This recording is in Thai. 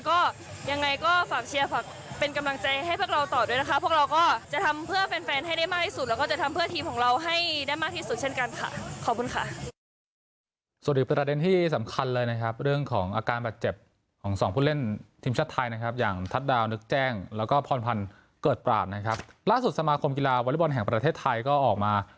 ก็อย่างไรก็ฝากเชียร์ฝากเป็นกำลังใจให้พวกเราต่อด้วยนะคะ